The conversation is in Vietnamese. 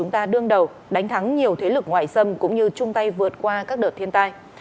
chúng ta đương đầu đánh thắng nhiều thế lực ngoại xâm cũng như chung tay vượt qua các đợt thiên tai